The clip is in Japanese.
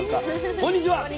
こんにちは。